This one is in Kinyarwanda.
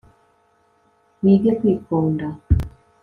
wige kwikunda